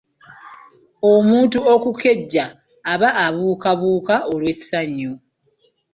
Omuntu okukejja aba abuukabuuka olw’essanyu.